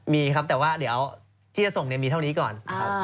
มีครับแต่ว่าเดี๋ยวที่จะส่งมีเท่านี้ก่อนครับ